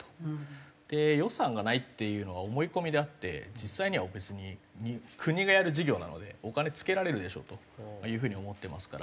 予算がないっていうのは思い込みであって実際には別に国がやる事業なのでお金つけられるでしょうという風に思ってますから。